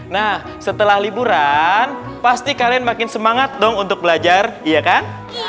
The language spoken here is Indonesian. nah setelah liburan pasti kalian makin semangat dong untuk belajar iya kan